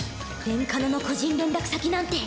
レンカノの個人連絡先なんて。